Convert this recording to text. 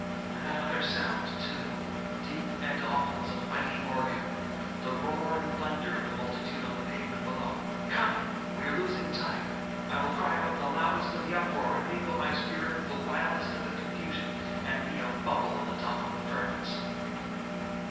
And that other sound, too,—deep and awful as a mighty organ,—the roar and thunder of the multitude on the pavement below! Come! We are losing time. I will cry out in the loudest of the uproar, and mingle my spirit with the wildest of the confusion, and be a bubble on the top of the ferment!"